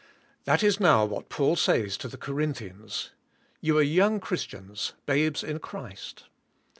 That is now what Paul says to the Corinthians. You are young Christians, babes in Christ.